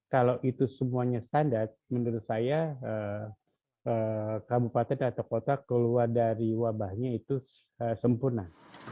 kalau itu semuanya standar menurut saya kabupaten atau kota keluar dari wabahnya itu sempurna